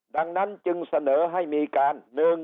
ดังนั้นจึงเสนอให้มีการ